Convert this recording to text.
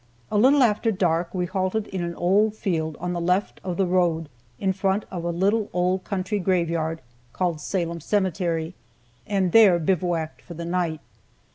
A little after dark we halted in an old field on the left of the road, in front of a little old country graveyard called Salem Cemetery, and there bivouacked for the night.